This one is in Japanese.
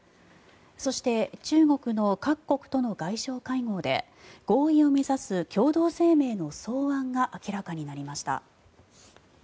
そして中国の各国との外相会合で合意を目指す共同声明の草案が明らかになりました。